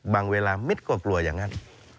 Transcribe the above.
เวลามิตรก็กลัวอย่างนั้น